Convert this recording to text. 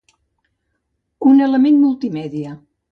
Un element multimèdia.